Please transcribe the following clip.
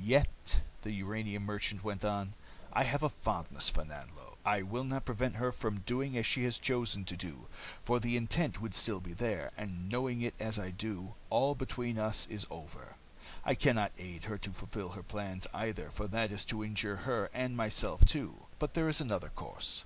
"Yet," the uranium merchant went on, "I have a fondness for Nanlo. I will not prevent her from doing as she has chosen to do, for the intent would still be there, and knowing it as I do, all between us is over. I can not aid her to fulfill her plans, either, for that is to injure her and myself too. But there is another course.